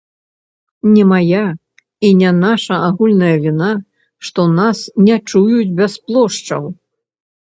Не мая і не наша агульная віна, што нас не чуюць без плошчаў.